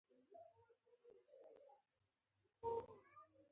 • ته زما د خوږ خیال سره یوه شوې.